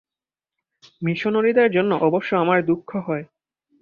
মিশনরীদের জন্য অবশ্য আমার দুঃখ হয়।